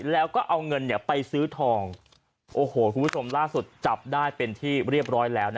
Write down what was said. แล้วก็เอาเงินไปซื้อทองโอ้โหคุณผู้ชมล่าสุดจับได้เป็นที่เรียบร้อยแล้ว